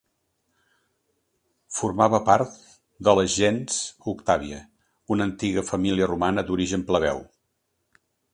Formava part de la gens Octàvia, una antiga família romana d'origen plebeu.